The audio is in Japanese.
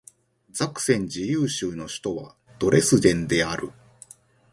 ザクセン自由州の州都はドレスデンである